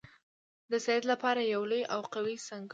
د سید لپاره یو لوی او قوي سنګر وو.